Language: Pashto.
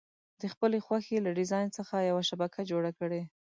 د خپلې خوښې له ډیزاین څخه یوه شبکه جوړه کړئ.